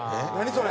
それ。